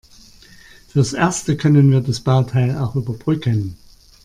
Fürs Erste können wir das Bauteil auch überbrücken.